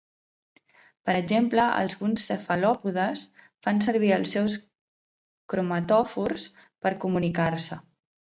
Per exemple, alguns cefalòpodes fan servir els seus cromatòfors per comunicar-se.